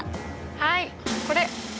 はいこれ。